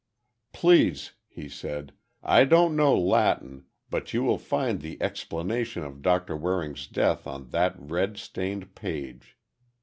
"Please," he said, "I don't know Latin, but you will find the explanation of Doctor Waring's death on that red stained page.